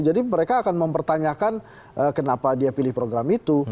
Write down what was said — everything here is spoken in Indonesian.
jadi mereka akan mempertanyakan kenapa dia pilih program itu